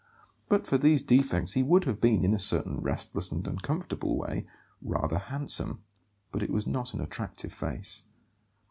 But for these defects he would have been, in a certain restless and uncomfortable way, rather handsome; but it was not an attractive face.